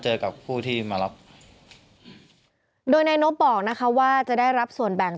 จากนั้นก็จะนำมาพักไว้ที่ห้องพลาสติกไปวางเอาไว้ตามจุดนัดต่าง